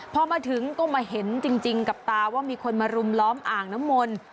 พอมาถึงก็มาเห็นจริงกับตาว่ามีคนมารุมล้อมอ่างน้ำมนต์